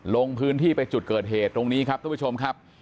ลงพื้นที่ไปจุดเกิดเหตุตรงนี้ครับทุกผู้ชมครับ